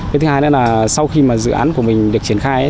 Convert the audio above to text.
cái thứ hai đó là sau khi mà dự án của mình được triển khai ấy